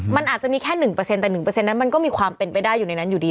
มันอาจจะมีแค่หนึ่งเปอร์เซ็นต์แต่หนึ่งเปอร์เซ็นต์นั้นมันก็มีความเป็นไปได้อยู่ในนั้นอยู่ดี